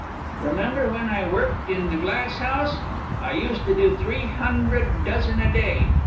Remember when I worked in the glass house? I used to do three hundred dozen a day.